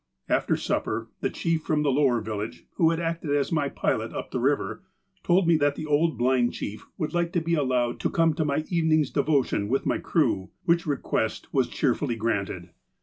"After supper, the chief from the lower village, who had acted as my pilot up the river, told me that the old, blind chief would like to be allowed to come to my even ing's devotion with my crew, which request was cheer fully granted.